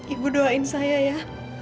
ibu doain saya ya